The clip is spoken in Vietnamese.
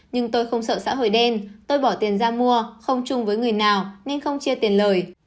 nhưng tôi không sợ xã hội đen tôi bỏ tiền ra mua không chung với người nào nên không chia tiền lời